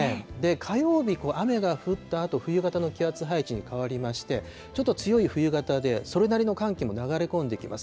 火曜日、雨が降ったあと、冬型の気圧配置に変わりまして、ちょっと強い冬型で、それなりの寒気も流れ込んできます。